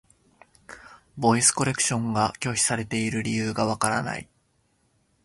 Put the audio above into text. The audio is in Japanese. ボイスコレクションが拒否されている理由がわからない。